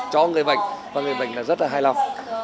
cho người bệnh và người bệnh là rất là hài lòng